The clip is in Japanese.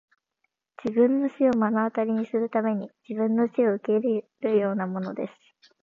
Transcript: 自分の死を目の当たりにするために自分の死を受け入れるようなものです!